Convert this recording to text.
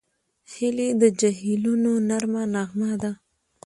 هیلۍ د جهیلونو نرمه نغمه ده